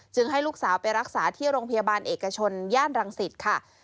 ให้ลูกสาวไปรักษาที่โรงพยาบาลเอกชนย่านรังสิตค่ะ